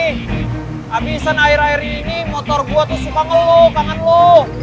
habisan air air ini motor gue tuh suka ngeluh kangen loh